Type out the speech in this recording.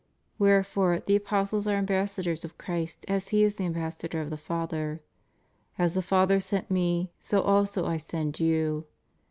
* Wherefore the apostles are ambassadors of Christ as He is the ambassador of the Father. As the Father sent Me so also I send you.